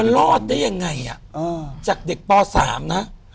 มันรอดได้ยังไงอ่ะจากเด็กป๓นะ